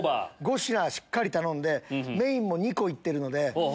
５品しっかり頼んでメインも２個行ってるので。